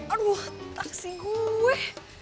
aduh taksi gue